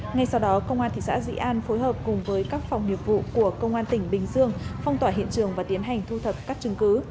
ngay sau đó công an thị xã dĩ an phối hợp cùng với các phòng nghiệp vụ của công an tỉnh bình dương phong tỏa hiện trường và tiến hành thu thập các chứng cứ